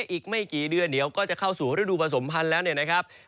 อีกไม่กี่เดือนเดี๋ยวก็จะเข้าสู่ฤดูผสมพันธ์แล้วเนี่ยนะครับ